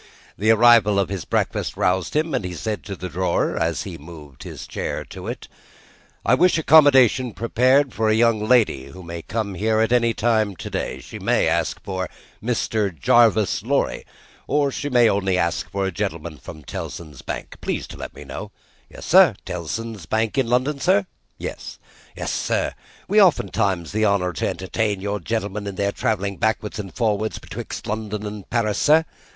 The arrival of his breakfast roused him, and he said to the drawer, as he moved his chair to it: "I wish accommodation prepared for a young lady who may come here at any time to day. She may ask for Mr. Jarvis Lorry, or she may only ask for a gentleman from Tellson's Bank. Please to let me know." "Yes, sir. Tellson's Bank in London, sir?" "Yes." "Yes, sir. We have oftentimes the honour to entertain your gentlemen in their travelling backwards and forwards betwixt London and Paris, sir.